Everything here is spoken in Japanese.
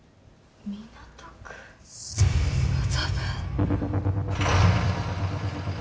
「港区麻布」？